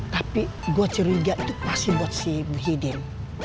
tapi gue cerita itu pasti buat si ibu hidim